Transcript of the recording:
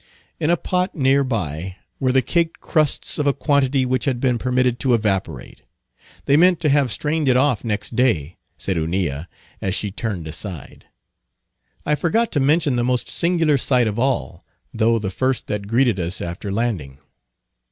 In a pot near by were the caked crusts of a quantity which had been permitted to evaporate. "They meant to have strained it off next day," said Hunilla, as she turned aside. I forgot to mention the most singular sight of all, though the first that greeted us after landing.